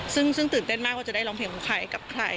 ซึ่งตื่นเต้นมากว่าจะได้ร้องเพลงของใครกับใคร